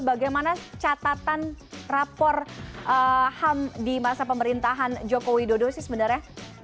bagaimana catatan rapor ham di masa pemerintahan joko widodo sih sebenarnya